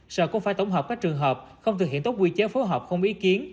sở cũng phải tổng hợp các trường hợp không thực hiện tốt quy chế phối hợp không ý kiến